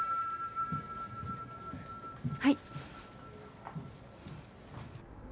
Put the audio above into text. はい。